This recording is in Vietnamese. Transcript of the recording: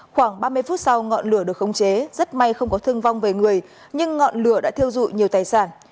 khoảng ba mươi phút sau ngọn lửa được không chế rất may không có thương vong về người nhưng ngọn lửa đã thiêu dụi nhiều tài sản